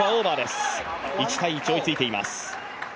１−１、追いついています。